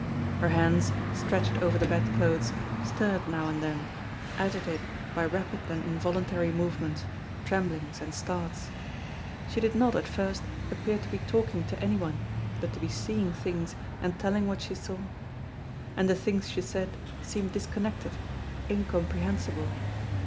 Her hands, stretched over the bedclothes, stirred now and then, agitated by rapid and involuntary movements, tremblings, and starts. She did not, at first, appear to be talking to anyone, but to be seeing things and telling what she saw. And the things she said seemed disconnected, incomprehensible.